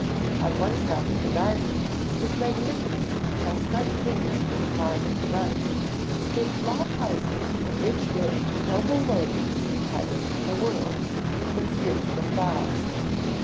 On one side of the garden, whose magnificent chestnut trees were the pride of the nuns, stood small houses in which lived noble ladies retired from the world, but free from vows.